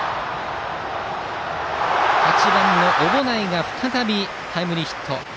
８番の小保内が再びタイムリーヒット。